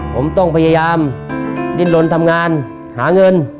ผมต้องพยายามดิ้นลนทำงานหาเงิน